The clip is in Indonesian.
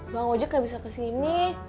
bang uja kayak bisa kesini